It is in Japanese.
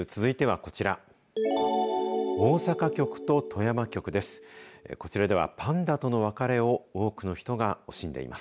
こちらではパンダとの別れを多くの人が惜しんでいます。